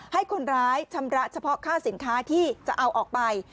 ให้คนร้ายชำระเฉพาะค่าสินค้าที่จะเอาออกไป